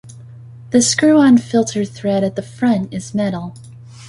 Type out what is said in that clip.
The screw-on filter thread at the front is metal.